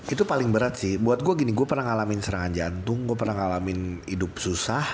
itu paling berat sih buat gue gini gue pernah ngalamin serangan jantung gue pernah ngalamin hidup susah